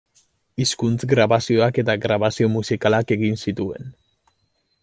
Hizkuntz grabazioak eta grabazio musikalak egin zituen.